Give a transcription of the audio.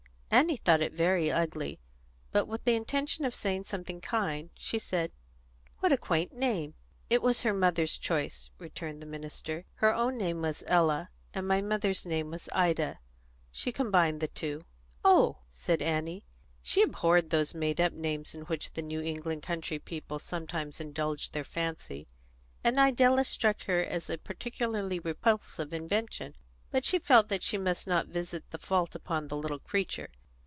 Annie thought it very ugly, but, with the intention of saying something kind, she said, "What a quaint name!" "It was her mother's choice," returned the minister. "Her own name was Ella, and my mother's name was Ida; she combined the two." "Oh!" said Annie. She abhorred those made up names in which the New England country people sometimes indulge their fancy, and Idella struck her as a particularly repulsive invention; but she felt that she must not visit the fault upon the little creature.